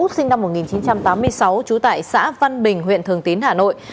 sinh năm một nghìn chín trăm tám mươi sáu trú tại xã văn bình huyện thường tín hà nội